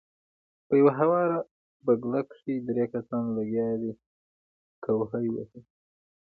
پۀ يوه هواره بګله کښې درې کسان لګيا دي کوهے وهي